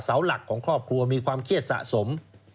เสาหลักของครอบครัวมีความเครียดสะสม